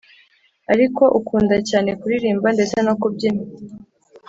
ariko akunda cyane kuririmba ndetse no kubyina,